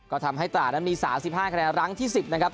ก็ทำให้ตราดนั้นมี๓๕คะแนนรั้งที่๑๐นะครับ